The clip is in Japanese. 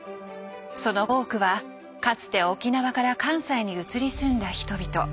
その多くはかつて沖縄から関西に移り住んだ人々。